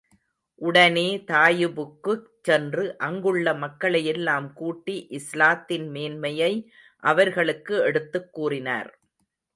உடனே தாயிபுக்குச் சென்று, அங்குள்ள மக்களை எல்லாம் கூட்டி, இஸ்லாத்தின் மேன்மையை அவர்களுக்கு எடுத்துக் கூறினார்.